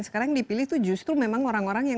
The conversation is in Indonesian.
sekarang yang dipilih itu justru memang orang orang yang